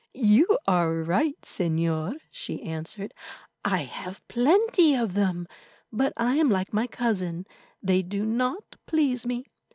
"You are right, Señor," she answered. "I have plenty of them; but I am like my cousin—they do not please me.